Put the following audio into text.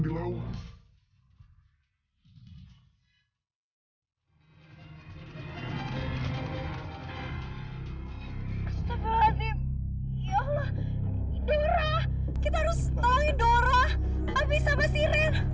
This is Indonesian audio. ya allah dora kita harus tolong dora ami sama siren